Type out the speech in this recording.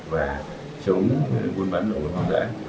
và chống vun bắn lộn hóa giã